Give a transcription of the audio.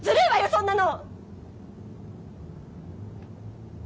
そんなの！